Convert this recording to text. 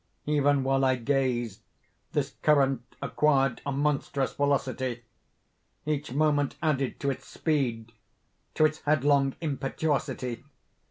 Even while I gazed, this current acquired a monstrous velocity. Each moment added to its speed—to its headlong impetuosity.